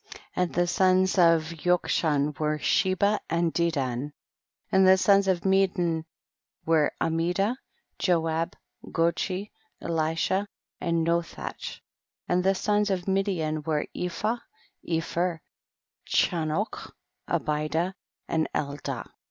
3. And the sons of Yokshan were Sheba and Dedan, and tlie sons of Medan were Amida, Joab, Gochi, Ehsha and Nothach ; and the sons of Midian were Ephah, Epher, Chanoch, Abida and Eldaah.